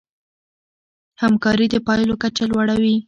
همکاري د پايلو کچه لوړوي.